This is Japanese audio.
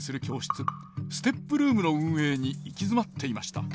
ＳＴＥＰルームの運営に行き詰まっていました。